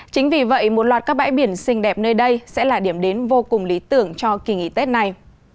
chính vì vậy một loạt các bãi biển xinh đẹp nơi đây sẽ là điểm đến vô cùng lý tưởng cho kỳ nghỉ tết này